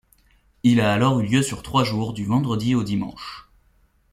Il a alors eu lieu sur trois jours du vendredi au dimanche.